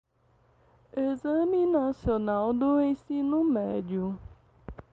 Exame Nacional do Ensino Médio